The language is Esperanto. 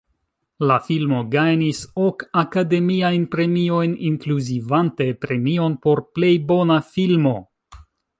La filmo gajnis ok Akademiajn Premiojn, inkluzivante premion por plej bona filmo.